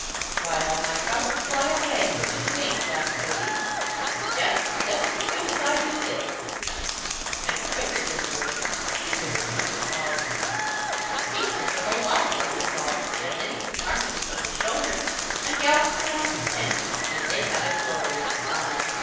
"Why all my troubles fly away, quick as a wink," laughed Tody. "Yes, just as quick as I do this." And quicker than a wink he turned a somersault. He turned a whole lot of somersaults and then he took Marmaduke on his shoulder and galloped around the tent and they had a glorious time.